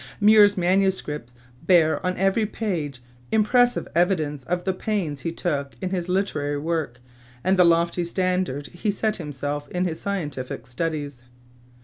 Muir's manuscripts bear on every page impressive evidence of the pains he took in his literary work, and the lofty standard he set himself in his scientific studies.